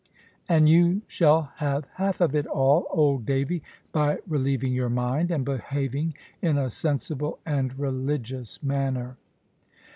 And you shall have half of it all, old Davy, by relieving your mind, and behaving in a sensible and religious manner."